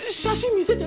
見せて！